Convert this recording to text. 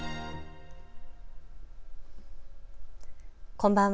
こんばんは。